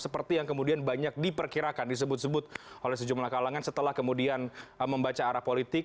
seperti yang kemudian banyak diperkirakan disebut sebut oleh sejumlah kalangan setelah kemudian membaca arah politik